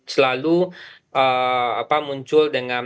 selalu muncul dengan pdi perjuangan